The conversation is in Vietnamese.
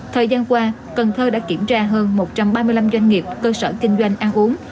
thời gian qua cần thơ đã kiểm tra hơn một trăm ba mươi năm doanh nghiệp cơ sở kinh doanh ăn uống